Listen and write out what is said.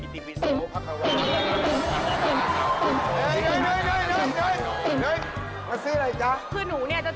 พี่เป็นหมอเนี่ยไม่ใช่หมอหรอก